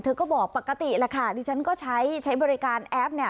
เธอก็บอกปกติแบบนี้ดิฉันก็ใช้บริการแอป